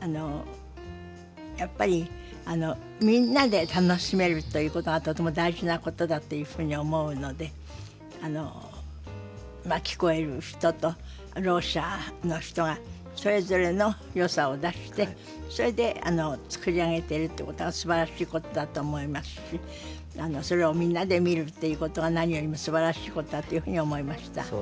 あのやっぱりみんなで楽しめるということがとても大事なことだっていうふうに思うので聞こえる人とろう者の人がそれぞれのよさを出してそれで作り上げてるっていうことがすばらしいことだと思いますしそれをみんなで見るっていうことが何よりもすばらしいことだというふうに思いました。